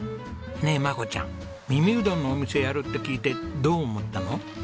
ねえマコちゃん耳うどんのお店やるって聞いてどう思ったの？